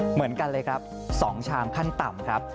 เหมือนกันเลยครับ๒ชามขั้นต่ำครับ